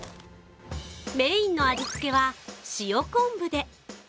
メインの味付けは塩昆布で。